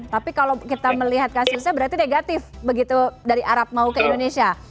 tapi kalau kita melihat kasusnya berarti negatif begitu dari arab mau ke indonesia